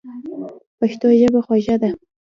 پښتو ژبه خوږه ده.